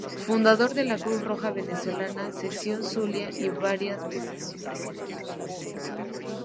Fundador de la Cruz Roja Venezolana sección Zulia y varias veces su presidente.